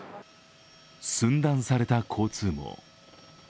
寸断された交通網。